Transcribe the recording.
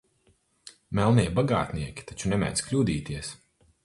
Melnie bagātnieki taču nemēdz kļūdīties.